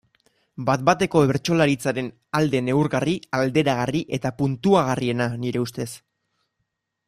Bat-bateko bertsolaritzaren alde neurgarri, alderagarri eta puntuagarriena, nire ustez.